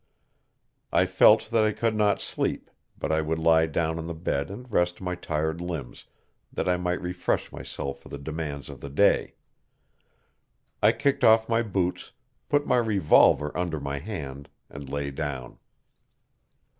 I felt that I could not sleep, but I would lie down on the bed and rest my tired limbs, that I might refresh myself for the demands of the day. I kicked off my boots, put my revolver under my hand, and lay down.